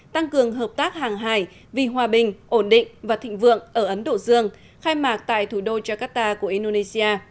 tăng cường hợp tác hàng hải vì hòa bình ổn định và thịnh vượng ở ấn độ dương khai mạc tại thủ đô jakarta của indonesia